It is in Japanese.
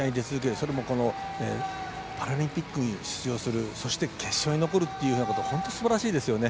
それもこのパラリンピックに出場するそして決勝に残るっていうのは本当にすばらしいですよね。